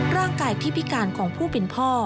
ร่างกายที่พิการของผู้เป็นพ่อ